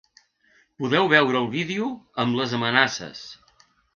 Podeu veure el vídeo amb les amenaces.